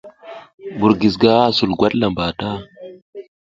Mbur giziga a zul gwat lamba ta.